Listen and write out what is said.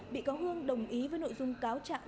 bị cáo hương đồng ý với nội dung cáo trạng